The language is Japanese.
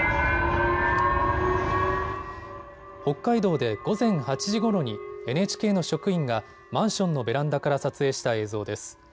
北海道で午前８時ごろにＮＨＫの職員がマンションのベランダから撮影した映像です。